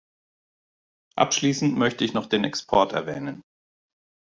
Abschließend möchte ich noch den Export erwähnen.